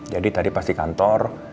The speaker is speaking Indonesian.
jadi tadi pas di kantor